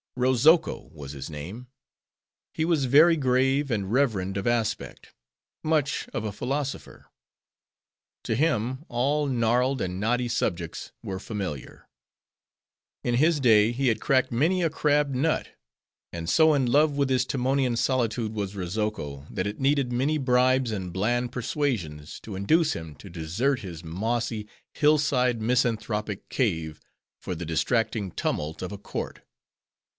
Rozoko was his name. He was very grave, and reverend of aspect; much of a philosopher. To him, all gnarled and knotty subjects were familiar; in his day he had cracked many a crabbed nut. And so in love with his Timonean solitude was Rozoko, that it needed many bribes and bland persuasions, to induce him to desert his mossy, hillside, misanthropic cave, for the distracting tumult of a court.